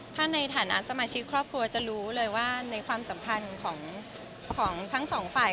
ถ้าในฐานะสมาชิกครอบครัวจะรู้เลยว่าในความสัมพันธ์ของทั้งสองฝ่าย